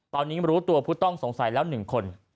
ตอนนี้รู้ตัวผู้ต้องสงสัยแล้ว๑คน